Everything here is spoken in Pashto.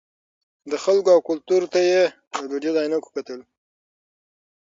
د خلکو او کلتور ته یې له دودیزو عینکو کتل.